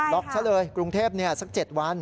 ซะเลยกรุงเทพสัก๗วัน